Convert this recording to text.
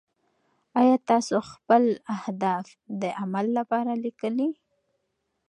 ایا تاسو خپل اهداف د عمل لپاره لیکلي؟